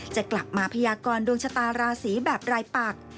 จะกลับมาพยากรดวงชะตาราศีแบบรายปัก